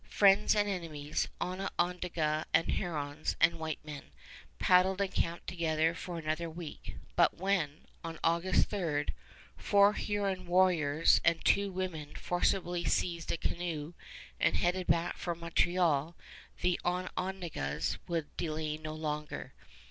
Friends and enemies, Onondagas and Hurons and white men, paddled and camped together for another week; but when, on August 3, four Huron warriors and two women forcibly seized a canoe and headed back for Montreal, the Onondagas would delay no longer.